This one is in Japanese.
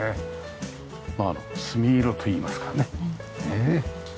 まあ墨色といいますかねねえ。